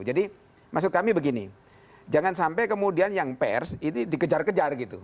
jadi maksud kami begini jangan sampai kemudian yang pers itu dikejar kejar gitu